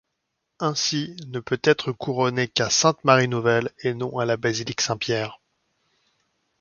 Ainsi, ne peut être couronné qu'à Sainte-Marie-Nouvelle, et non à la basilique Saint-Pierre.